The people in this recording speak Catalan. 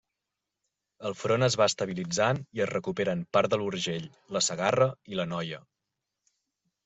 El front es va estabilitzant i es recuperen part de l'Urgell, la Segarra i l'Anoia.